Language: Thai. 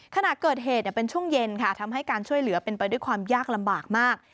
ขณะเกิดเหตุเป็นช่วงเย็นค่ะทำให้การช่วยเหลือเป็นไปด้วยความยากลำบากมาก